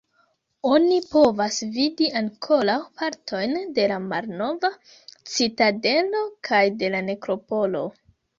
Oni povas vidi ankoraŭ partojn de la malnova citadelo kaj de la nekropolo.